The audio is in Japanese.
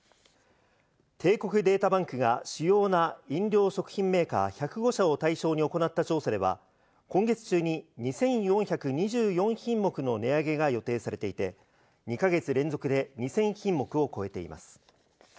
帝国データバンクが主要な飲料食品メーカー１０５社を対象に行った調査では、今月中に２４２４品目の値上げが予定されていて、２か月連続で２０００品目を超えています。